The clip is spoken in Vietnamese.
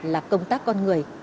là công tác con người